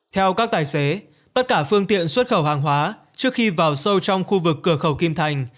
theo các tài xế tất cả phương tiện xuất khẩu hàng hóa trước khi vào sâu trong khu vực cửa khẩu kim thành